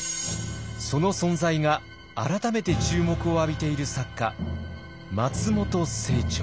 その存在が改めて注目を浴びている作家松本清張。